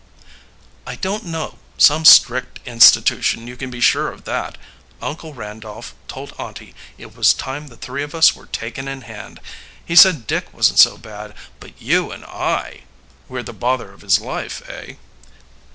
"I don't know. Some strict institution, you can be sure of that. Uncle Randolph told aunty it was time the three of us were taken in hand. He said Dick wasn't so bad, but you and I " "Were the bother of his life, eh?"